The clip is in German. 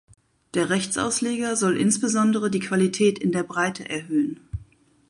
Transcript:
Der Rechtsausleger soll insbesondere die Qualität in der Breite erhöhen.